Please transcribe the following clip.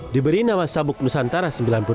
diberi nama sabuk nusantara sembilan puluh delapan